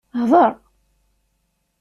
Hḍer!